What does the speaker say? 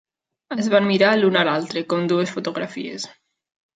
Es van mirar l'un a l'altre, com dues fotografies.